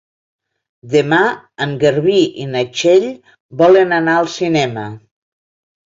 Demà en Garbí i na Txell volen anar al cinema.